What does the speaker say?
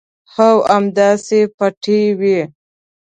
او همداسې پټې وي.